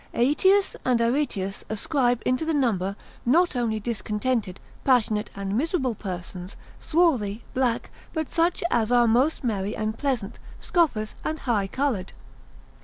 Aetius and Aretius ascribe into the number not only discontented, passionate, and miserable persons, swarthy, black; but such as are most merry and pleasant, scoffers, and high coloured.